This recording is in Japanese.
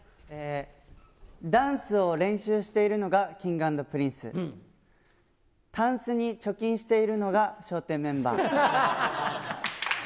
ダンスを練習しているのがＫｉｎｇ＆Ｐｒｉｎｃｅ、たんすに貯金しているのが笑点メンバー。